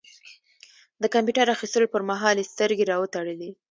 د کمپيوټر اخيستلو پر مهال يې سترګې را وتړلې.